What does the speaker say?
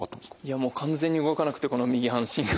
いやもう完全に動かなくてこの右半身が。